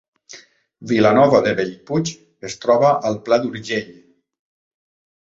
Vilanova de Bellpuig es troba al Pla d’Urgell